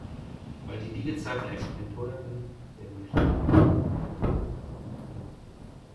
Weil die Liegezeiten extrem teuer sind, werden die Schiffe tags und nachts von Kränen beladen.